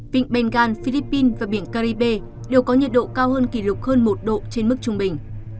vịnh bengal philippines và biển caribe đều có nhiệt độ cao hơn kỷ lục hơn một độ trên mức trung bình